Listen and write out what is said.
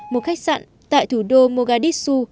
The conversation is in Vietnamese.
một khách sạn tại thủ đô mogadishu